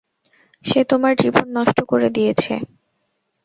সে তোমার জীবন নষ্ট করে দিয়েছে।